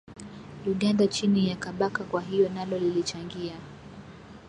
Uganda chini ya Kabaka Kwa hiyo nalo lilichangia